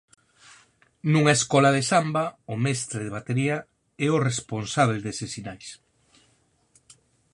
Nunha escola de samba o mestre de batería é o responsábel deses sinais.